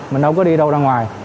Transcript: mình đâu có đi đâu ra ngoài